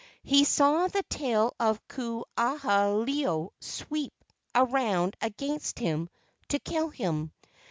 He saw the tail of Ku aha ilo sweep around against him to kill him.